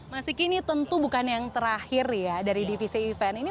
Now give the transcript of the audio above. mas siki ini tentu bukan yang terakhir ya dari divisi event ini